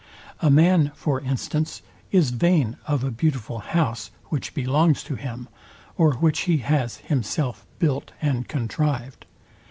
A man, for instance, is vain of a beautiful house, which belongs to him, or which he has himself built and contrived.